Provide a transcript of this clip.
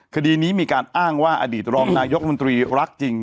คดีนี้มีการอ้างว่าอดีตรองนายกรัฐมนตรีรักจริง